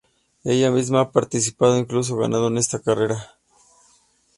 Ella misma ha participado e incluso ganado en esta carrera.